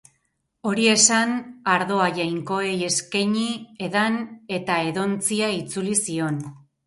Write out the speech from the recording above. Hori esan, ardoa jainkoei eskaini, edan, eta edontzia itzuli zion.